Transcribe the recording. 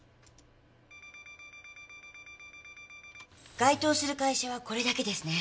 該当する会社はこれだけですね。